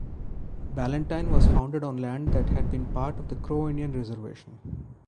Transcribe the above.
Ballantine was founded on land that had been part of the Crow Indian Reservation.